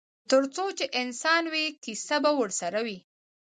ترڅو چې انسان وي کیسه به ورسره وي.